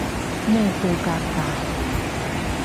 咩叫革大